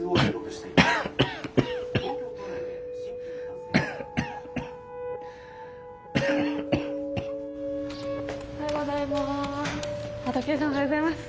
時江さんおはようございます。